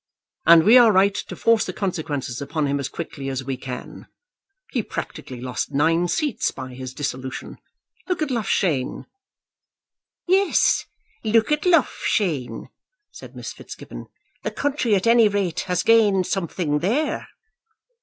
"And we are right to force the consequences upon him as quickly as we can. He practically lost nine seats by his dissolution. Look at Loughshane." "Yes; look at Loughshane," said Miss Fitzgibbon. "The country at any rate has gained something there."